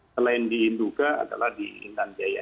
selain di induka adalah di intan jaya